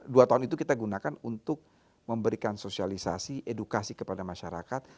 dua tahun itu kita gunakan untuk memberikan sosialisasi edukasi kepada masyarakat